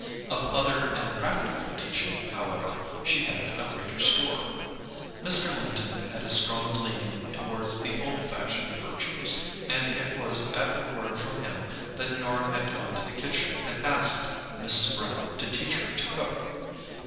Of other and practical teaching, however, she had a greater store. Mr. Linton had a strong leaning towards the old fashioned virtues, and it was at a word from him that Norah had gone to the kitchen and asked Mrs. Brown to teach her to cook.